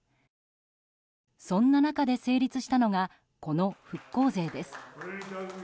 そんな中で成立したのがこの復興税です。